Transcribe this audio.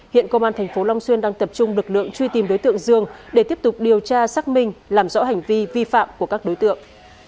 hiện công an thành phố long xuyên đang tập trung lực lượng truy tìm đối tượng dương để tiếp tục điều tra xác minh làm rõ hành vi vi phạm của các đối tượng